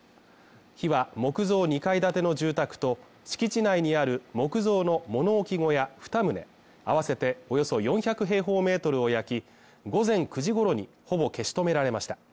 火は木造２階建ての住宅と敷地内にある木造の物置小屋２棟あわせておよそ４００平方メートルを焼き、午前９時ごろにほぼ消し止められました。